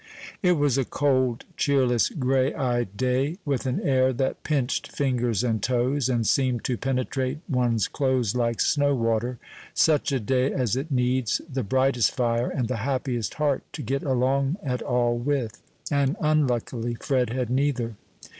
It was a cold, cheerless, gray eyed day, with an air that pinched fingers and toes, and seemed to penetrate one's clothes like snow water such a day as it needs the brightest fire and the happiest heart to get along at all with; and, unluckily, Fred had neither.